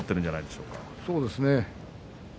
そうですね。